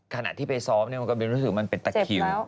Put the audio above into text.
ขณะที่ไปซ้อมมันก็รู้สึกมันเป็นตะคิว